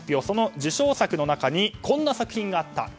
その受賞作の中にこんな作品があった。